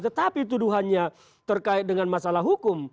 tetapi tuduhannya terkait dengan masalah hukum